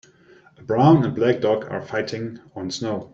A brown and black dog are fighting on snow.